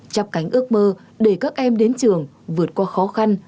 chắp cánh ước mơ để các em đến trường vượt qua khó khăn